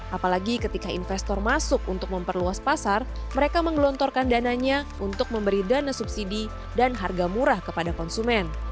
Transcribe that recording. apalagi ketika investor masuk untuk memperluas pasar mereka menggelontorkan dananya untuk memberi dana subsidi dan harga murah kepada konsumen